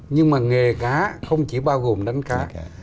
nhưng mà nghề cá không chỉ bao gồm đánh cá cả